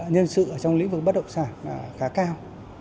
nhân sự trong lĩnh vực bất đồng sản khá cao